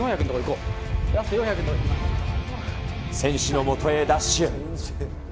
こう、選手のもとへダッシュ。